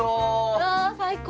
わあ最高！